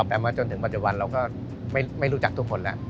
แต่มาจนถึงปัจจุบันเราก็ไม่รู้จักทุกคนแล้ว